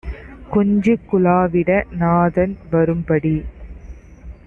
கொஞ்சிக் குலாவிட நாதன் வரும்படி